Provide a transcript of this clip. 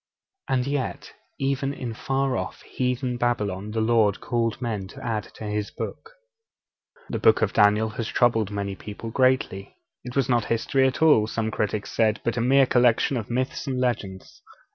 And yet, even in far off heathen Babylon the Lord called men to add to His Book. The Book of Daniel has troubled many people greatly. It was not history at all, some critics said, but a mere collection of myths and legends.